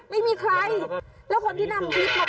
ไม่มีใครแล้วคนที่นำพี่มาโพสนะ